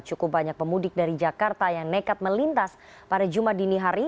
cukup banyak pemudik dari jakarta yang nekat melintas pada jumat dini hari